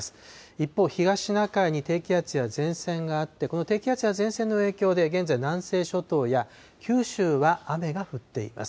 一方、東シナ海に低気圧や前線があって、この低気圧や前線の影響で、現在、南西諸島や九州は雨が降っています。